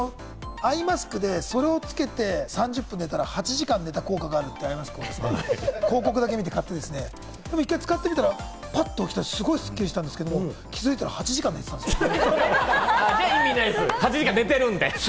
私、アイマスクでそれをつけて３０分寝たら、８時間寝た効果があるってありまして、広告だけ見て買って、一回使ってみたら、ぱっと起きたら、すごいすっきりしたんですけど、気づいたら８時間寝てたんですよね。